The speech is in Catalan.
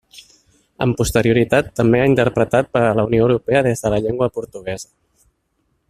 Amb posterioritat, també ha interpretat per a la Unió Europea des de la llengua portuguesa.